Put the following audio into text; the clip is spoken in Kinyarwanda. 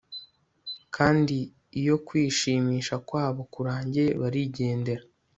kandi iyo kwishimisha kwabo kurangiye barigendera